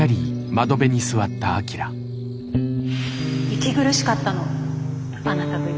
息苦しかったの。